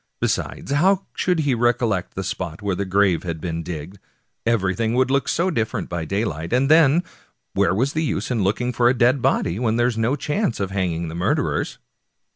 Besides, how should he recollect the spot where the grave had been digged? everything would look so different by daylight. And then, where was the use of looking for a dead body when there was no chance of hanging the murderers